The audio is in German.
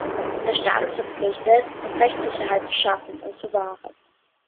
Der Staat ist verpflichtet, Rechtssicherheit zu schaffen und zu wahren.